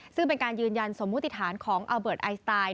ซึ่งเป็นการยืนยันสมมุติฐานของอัลเบิร์ตไอสไตล์